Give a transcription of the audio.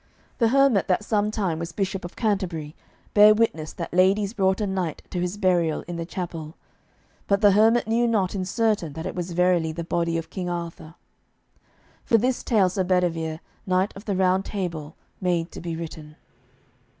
The hermit that some time was Bishop of Canterbury bare witness that ladies brought a knight to his burial in the chapel, but the hermit knew not in certain that it was verily the body of King Arthur; for this tale Sir Bedivere, knight of the Round Table, made to be written.